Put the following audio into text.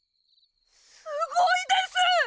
すごいです！